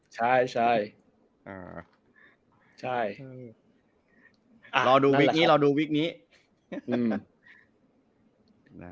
ใช่ใช่ใช่ออใช่รอดูวิกนี้รอดูวิกนี้อืม